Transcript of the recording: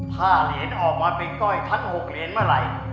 ถ้าเหรียญออกมาเป็นก้อยทั้ง๖เหรียญเมื่อไหร่